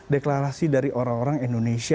deklarasi dari orang orang indonesia